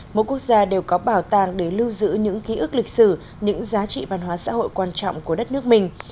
mỗi quốc gia đều có bảo tàng để lưu giữ những ký ức lịch sử những giá trị văn hóa xã hội quan trọng của đất nước mình